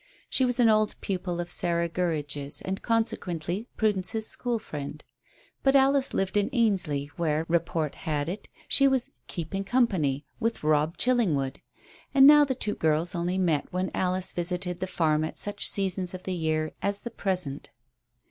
She was an old pupil of Sarah Gurridge's, and consequently Prudence's school friend. But Alice lived in Ainsley, where, report had it, she was "keeping company" with Robb Chillingwood, and now the two girls only met when Alice visited the farm at such seasons of the year as the present.